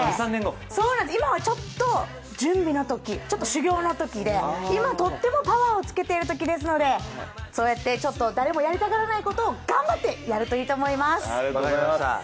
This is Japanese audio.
今はちょっと準備の時、修業の時ですので今とってもパワーをつけているときですので、そうやってちょっと誰もやりたがらないことを頑張ってやるといいと思います。